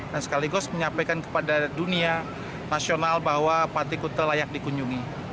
dan sekaligus menyampaikan kepada dunia nasional bahwa pantai kuta layak dikunjungi